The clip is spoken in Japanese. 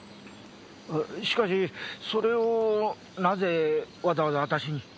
しかしそれをなぜわざわざ私に？